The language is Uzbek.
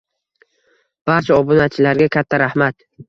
Barcha obunachilarga katta rahmat!